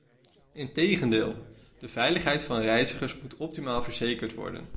Integendeel, de veiligheid van de reizigers moeten optimaal verzekerd worden.